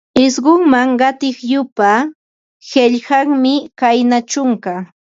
Isqunman qatiq yupa, qillqanmi kayna: chunka